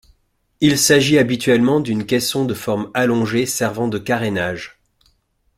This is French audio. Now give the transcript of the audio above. Il s'agit habituellement d'un caisson de forme allongée servant de carénage.